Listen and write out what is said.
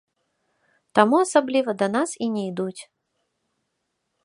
Таму асабліва да нас і не ідуць.